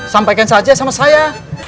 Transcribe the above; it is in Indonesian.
sampaikan saja sama saya